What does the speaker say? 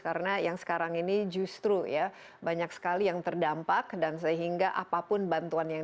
karena yang sekarang ini justru banyak sekali yang terdampak dan sehingga apapun bantuan yang